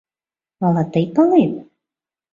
Ала тый палет?